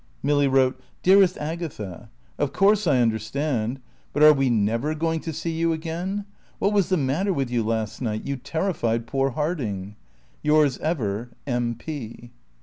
Milly wrote: "Dearest Agatha, Of course I understand. But are we never going to see you again? What was the matter with you last night? You terrified poor Harding. Yours ever, M. P."